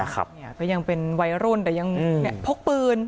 ก็ยังเป็นวัยรุ่นแต่ยังพกปืน